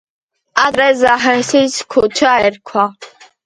ადრე ზაჰესის ქუჩა ერქვა.